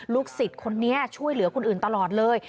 สิทธิ์คนนี้ช่วยเหลือคนอื่นตลอดเลย